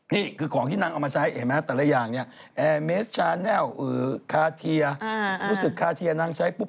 นี่คือของที่นางเอามาใช้เห็นไหมแต่ละอย่างเนี่ยแอร์เมสชาแนลคาเทียรู้สึกคาเทียนางใช้ปุ๊บ